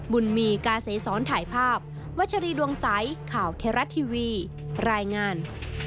บุญมีกาเสสอนถ่ายภาพวัชรีดวงใสข่าวเทราะทีวีรายงาน